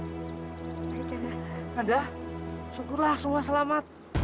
kanda syukurlah semua selamat